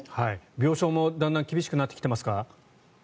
病床もだんだん厳しくなってきていますか？